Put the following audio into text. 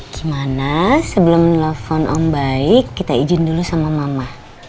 gimana sebelum nelfon om baik kita izin dulu sama mama